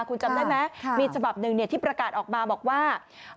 คุณจำได้ไหมมีฉบับหนึ่งที่ประกาศออกมาบอกว่า